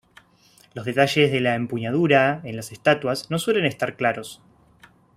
Los detalles de la empuñadura en las estatuas no suelen estar claros.